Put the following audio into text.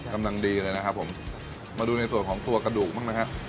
กำลังดีเลยนะครับผมมาดูในส่วนของตัวกระดูกบ้างนะครับ